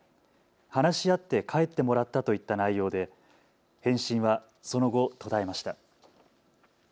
話し合って帰ってもらったといった内容で返信はその後、途絶えました。